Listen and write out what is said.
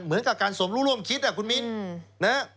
เหมือนกับการสมรู้ร่วมคิดคุณมิน